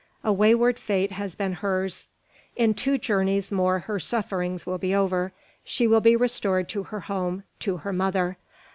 a wayward fate has been hers." "In two journeys more her sufferings will be over. She will be restored to her home, to her mother."